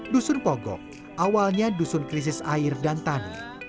dusun pogo awalnya dusun krisis air dan tanah